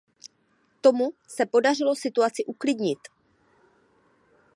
Tomu se podařilo situaci uklidnit.